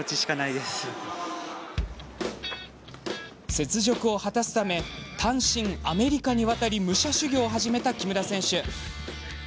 雪辱を果たすため単身アメリカに渡り武者修行を始めた木村選手。